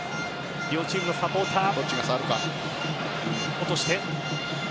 両チームのサポーター。